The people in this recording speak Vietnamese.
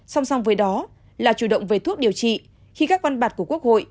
song song với đó là chủ động về thuốc điều trị khi các quan bạc của quốc hội